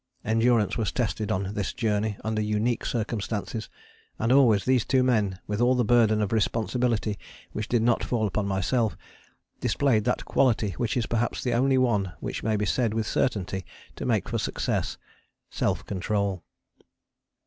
Endurance was tested on this journey under unique circumstances, and always these two men with all the burden of responsibility which did not fall upon myself, displayed that quality which is perhaps the only one which may be said with certainty to make for success, self control.